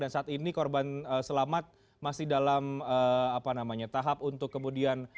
dan saat ini korban selamat masih dalam tahap untuk kemudian